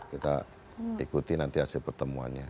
kita ikuti nanti hasil pertemuannya